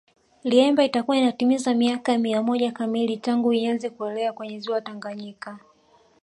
Liemba itakuwa inatimiza miaka mia moja kamili tangu ianze kuelea kwenye Ziwa Tanganyika